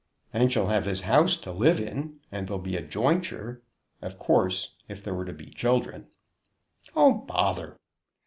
"And she'll have his house to live in. And there'll be a jointure. Of course, if there were to be children " "Oh, bother!"